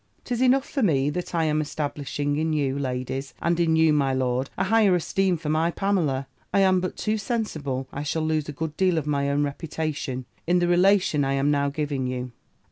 "'Tis enough for me, that I am establishing in you, ladies, and in you, my lord, a higher esteem for my Pamela (I am but too sensible I shall lose a good deal of my own reputation) in the relation I am now giving you.